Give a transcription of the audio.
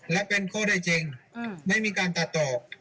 และเป็นเครื่องที่ไม่มีการตัดต่อ